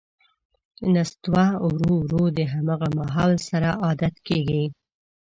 نستوه ورو ـ ورو د همغه ماحول سره عادت کېږي.